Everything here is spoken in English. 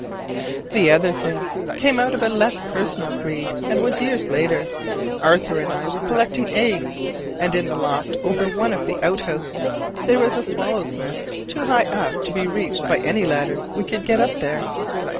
The other thing came out of a less personal greed, and was years later: Arthur and I were collecting eggs, and in the loft over one of the out houses there was a swallow's nest too high up to be reached by any ladder we could get up there.